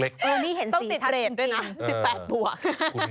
เออนี่เห็นสีชัดด้วยนะต้องติดตรงด้วยนะสิบแปดตัว